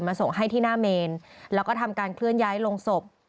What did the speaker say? ส่งให้ที่หน้าเมนแล้วก็ทำการเคลื่อนย้ายลงศพ